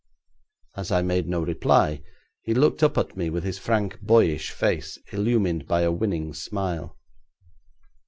As I made no reply he looked up at me with his frank, boyish face illumined by a winning smile.